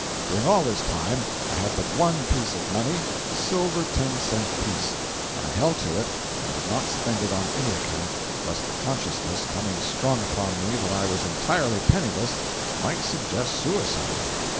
During all this time I had but one piece of money—a silver ten cent piece—and I held to it and would not spend it on any account, lest the consciousness coming strong upon me that I was entirely penniless, might suggest suicide.